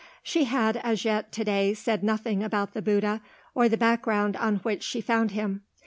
She had, as yet, to day, said nothing about the Bouddha or the background on which she found him.